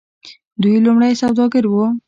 دوی لومړی سوداګر وو.